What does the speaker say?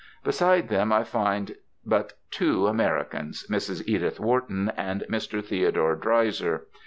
Beside them I find but two Americans, Mrs. Edith Wharton and Mr. Theodore Dreiser.